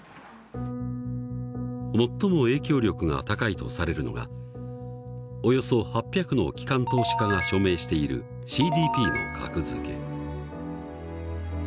最も影響力が高いとされるのがおよそ８００の機関投資家が署名しているＣＤＰの格付け。